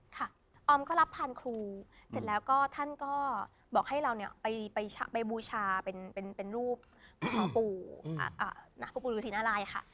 ออมก็รับผ่านครูเสร็จแล้วก็ท่านก็บอกให้เราเนี่ยไปบูชาเป็นรูปหลวงปู่ฤษีนารายค่ะ